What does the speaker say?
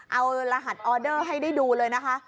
เอารหัสออเดอร์ให้ได้ดูเลยนะคะ